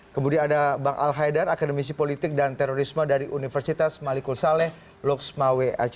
kemudian ada bang al haidar akademisi politik dan terorisme dari universitas malikul saleh luxmawe ac